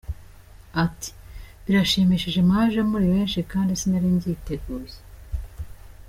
Ati “Birashimishije, mwaje muri benshi kandi sinari mbyiteguye.